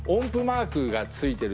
音符マークが付いてる。